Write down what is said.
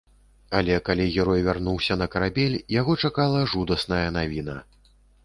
Але калі герой вярнуўся на карабель, яго чакала жудасная навіна.